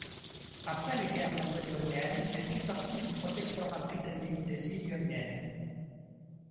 Après les guerres napoléoniennes, elle fit partie du protectorat britannique des Îles Ioniennes.